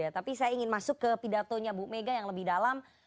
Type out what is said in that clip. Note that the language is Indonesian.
tapi saya ingin masuk ke pidatonya bu mega yang lebih dalam